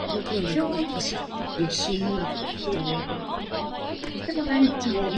Дача хуҗалары, каравыл торып, бер чиләк карлыган урлаган каракны тоталар.